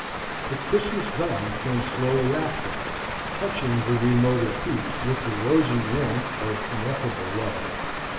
The Christmas dawn came slowly after, touching the remoter peaks with the rosy warmth of ineffable love.